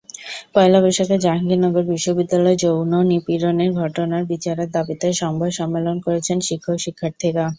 পয়লা বৈশাখে জাহাঙ্গীরনগর বিশ্ববিদ্যালয়ে যৌন নিপীড়নের ঘটনার বিচারের দাবিতে সংবাদ সম্মেলন করেছেন শিক্ষক-শিক্ষার্থীরা।